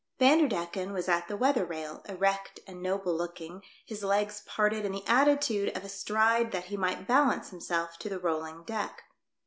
Vanderdecken was at the weather rail, erect and noble looking, his legs parted in the attitude of a stride that he might balance himself to the rolling deck.